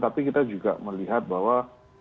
tapi kita juga melihat bahwa